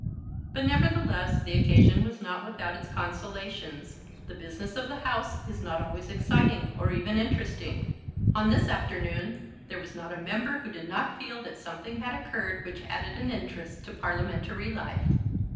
But, nevertheless, the occasion was not without its consolations. The business of the House is not always exciting, or even interesting. On this afternoon there was not a member who did not feel that something had occurred which added an interest to Parliamentary life.